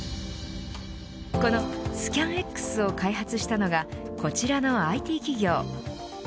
このスキャン・エックスを開発したのがこちらのＩＴ企業。